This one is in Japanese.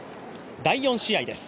第４試合です。